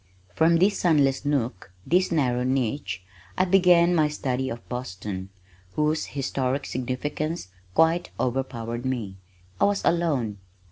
From this sunless nook, this narrow niche, I began my study of Boston, whose historic significance quite overpowered me. I was alone.